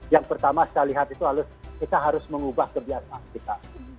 yang pertama saya lihat itu kita harus mengubah kebiasaan kita